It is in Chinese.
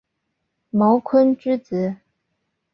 茅坤之子。